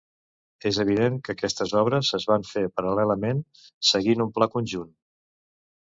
És evident que aquestes obres es van fer paral·lelament, seguint un pla conjunt.